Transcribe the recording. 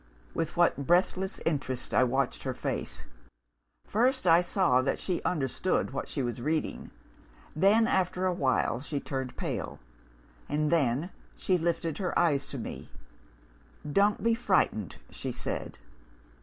With what breathless interest I watched her face! First, I saw that she understood what she was reading. Then, after a while, she turned pale. And then, she lifted her eyes to me. 'Don't be frightened,' she said.